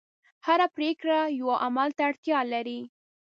هره پرېکړه یوه عمل ته اړتیا لري.